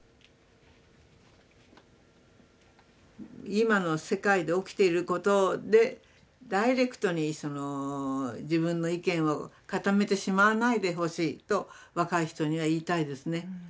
今の世界で起きていることでダイレクトに自分の意見を固めてしまわないでほしいと若い人には言いたいですね。